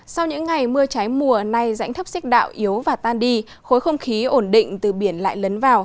sau những ngày mưa trái mùa nay dãnh thấp xích đạo yếu và tan đi khối không khí ổn định từ biển lại lấn vào